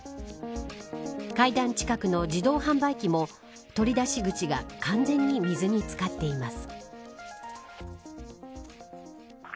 階段近くの自動販売機も取り出し口が完全に水に漬かっています。